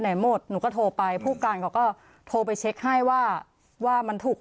ไหนหมดหนูก็โทรไปผู้การเขาก็โทรไปเช็คให้ว่าว่ามันถูก